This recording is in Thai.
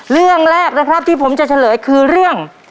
เรื่องแรกนะครับที่ผมจะเฉลยคือเรื่อง